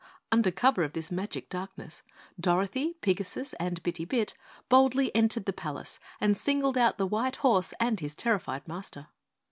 Under cover of this magic darkness, Dorothy, Pigasus, and Bitty Bit boldly entered the palace and singled out the white horse and his terrified Master.